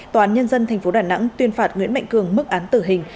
tòa án nhân dân tp đà nẵng tuyên phạt nguyễn mạnh cường mức án tử hình